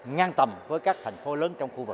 ngang tầm với các thành phố lớn trong khu vực